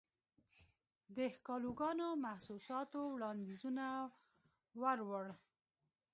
دښکالوګانو، محسوساتووړاندیزونه وروړو